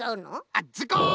あっズコン！